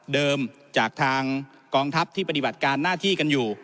จากทางกองทัพที่ปฏิบัติการหน้าที่กันอยู่